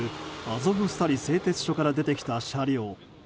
アゾフスタリ製鉄所から出てきた車両。